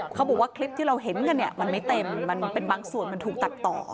เขาบอกว่าคลิปที่เราเห็นกันเนี่ยมันไม่เต็มมันเป็นบางส่วนมันถูกตัดต่อ